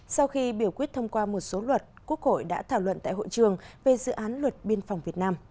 sau khi biểu quyết thông qua một số luật quốc hội đã thảo luận tại hội trường về dự án luật biên phòng việt nam